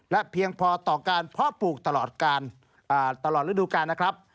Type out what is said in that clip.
และเพียงพอต่อการเพราะปลูกตลอดฤดูการนะครับ